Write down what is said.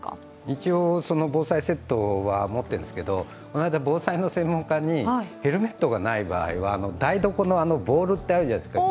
一応、防災セットは持っているんですけど、この間、防災の専門家にヘルメットがない場合は台所の金属のボウルってあるじゃないですか、